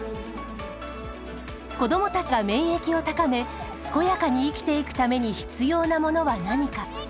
子どもたちが免疫を高め健やかに生きていくために必要なものは何か。